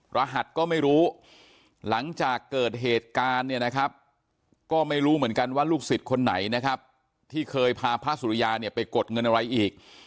รหัสก็ไม่รู้หลังจากเกิดเหตุการณ์เนี่ยนะครับก็ไม่รู้เหมือนกันว่าลูกศิษย์คนไหนนะครับที่เคยพาพระสุริยาเนี่ยไปกดเงินอะไรอีก